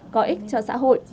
có ích cho xã hội